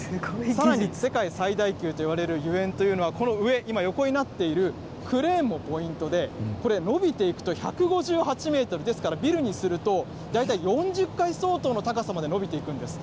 さらに世界最大級といわれるゆえんというのはこの上、今横になっているクレーンもポイントで、のびていくと１５８メートル、ですからビルにすると大体４０階相当の高さまで伸びていくんです。